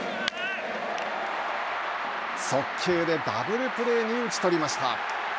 速球でダブルプレーに打ち取りました。